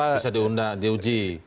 bisa diundang diuji